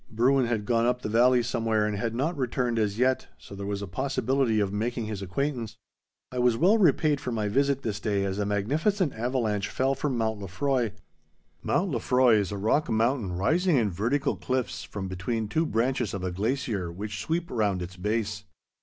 Bruin had gone up the valley somewhere and had not returned as yet, so there was a possibility of making his acquaintance. I was well repaid for my visit this day, as a magnificent avalanche fell from Mount Lefroy. Mount Lefroy is a rock mountain rising in vertical cliffs from between two branches of a glacier which sweep round its base.